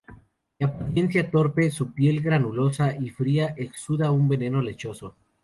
De apariencia torpe, su piel granulosa y fría exuda un veneno lechoso.